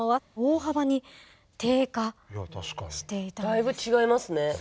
だいぶ違いますね。